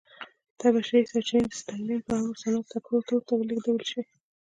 دا بشري سرچینې د ستالین په امر صنعت سکتور ته ولېږدول شوې